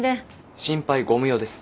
心配ご無用です。